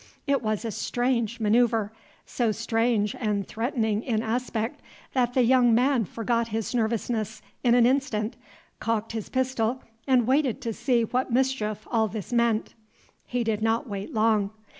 It was a strange manoeuvre, so strange and threatening in aspect that the young man forgot his nervousness in an instant, cocked his pistol, and waited to see what mischief all this meant. He did not wait long.